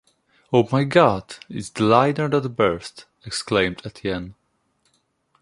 Oh my God! It’s the liner that burst, exclaimed Étienne.